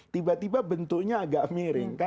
tiba tiba bentuknya agak miring